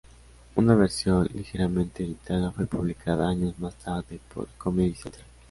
Una versión ligeramente editada fue publicada años más tarde por Comedy Central.